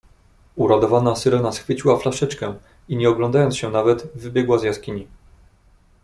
"Uradowana Syrena schwyciła flaszeczkę i, nie oglądając się nawet, wybiegła z jaskini."